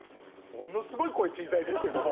ものすごい声小さいですけども。